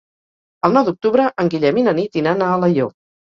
El nou d'octubre en Guillem i na Nit iran a Alaior.